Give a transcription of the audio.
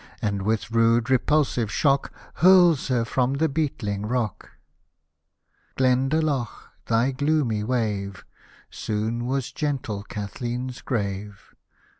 And with rude repulsive shock. Hurls her from the beetling rock. Glendalough, thy gloomy wave Soon was gentle Kathleen's grave